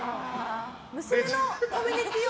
娘のコミュニティーを。